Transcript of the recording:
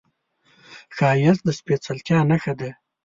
ښایست د سپېڅلتیا نښه ده